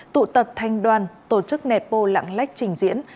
tụ tập thanh đoàn tổ chức nẹp bô lặng lách trình diễn